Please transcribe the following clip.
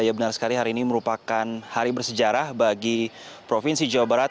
ya benar sekali hari ini merupakan hari bersejarah bagi provinsi jawa barat